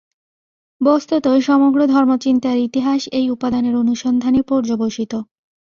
বস্তুত সমগ্র ধর্মচিন্তার ইতিহাস এই উপাদানের অনুসন্ধানেই পর্যবসিত।